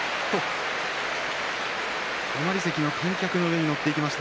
たまり席の観客の上に乗っていきました。